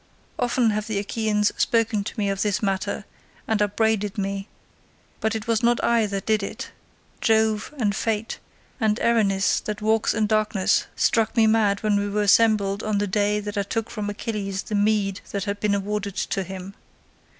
Often have the Achaeans spoken to me of this matter and upbraided me, but it was not I that did it: Jove, and Fate, and Erinys that walks in darkness struck me mad when we were assembled on the day that I took from Achilles the meed that had been awarded to him.